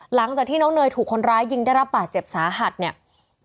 หลังจากที่น้องเนยถูกคนร้ายยิงได้รับบาดเจ็บสาหัสเนี่ย